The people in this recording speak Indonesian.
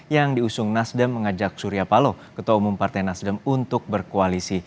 yang diusung nasdem mengajak surya paloh ketua umum partai nasdem untuk berkoalisi